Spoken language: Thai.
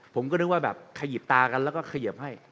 ผมก็นึกว่าแบบขยิบตากันแล้วก็เขยิบให้